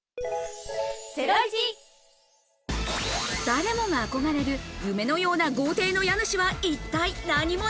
誰もが憧れる夢のような豪邸の家主は一体何者？